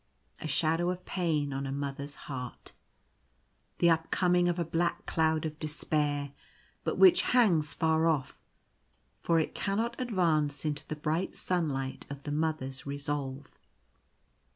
A shadow of pain on a Mother's heart. The upcoming of a black cloud of despair, but which hangs far off — for it cannot advance into the bright sunlight of the Mother's resolve.